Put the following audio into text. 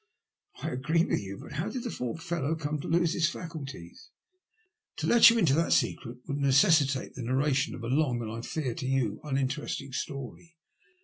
" I agree with you ; but bow did the poor fellow come to lose his faculties ?"'' To let you into that secret would necessitate the narration of a long and, I fear to you, uninteresting story.